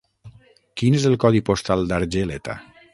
Quin és el codi postal d'Argeleta?